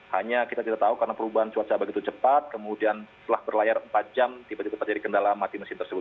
hanya kita tidak tahu karena perubahan cuaca begitu cepat kemudian setelah berlayar empat jam tiba tiba terjadi kendala mati mesin tersebut